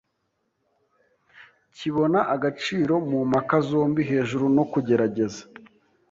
kibona agaciro mu mpaka zombi hejuru no kugerageza